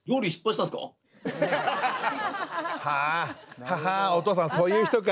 ははんお父さんそういう人か。